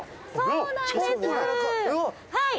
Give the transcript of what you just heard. はい。